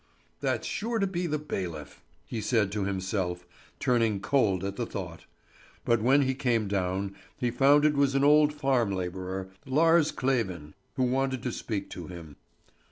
"That's sure to be the bailiff," he said to himself, turning cold at the thought. But when he came down he found it was an old farm labourer, Lars Kleven, who wanted to speak to him.